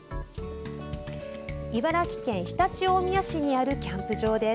茨城県常陸大宮市にあるキャンプ場です。